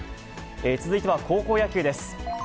続いては、高校野球です。